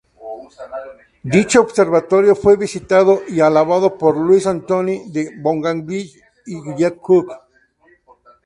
Dicho observatorio fue visitado y alabado por Louis Antoine de Bougainville y James Cook.